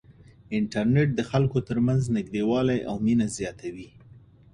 انټرنیټ د خلکو ترمنځ نږدېوالی او مینه زیاتوي.